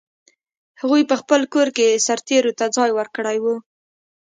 هغوی په خپل کور کې سرتېرو ته ځای ورکړی و.